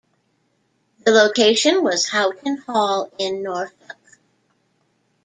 The location was Houghton Hall in Norfolk.